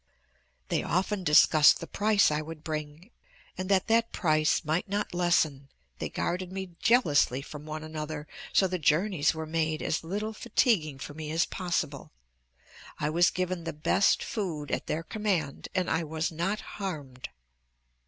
"They often discussed the price I would bring, and that that price might not lessen, they guarded me jealously from one another so the journeys were made as little fatiguing for me as possible. I was given the best food at their command and I was not harmed.